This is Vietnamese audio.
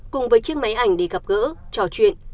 cùng với chiếc máy ảnh để gặp gỡ trò chuyện